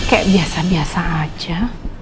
kayak biasa biasa aja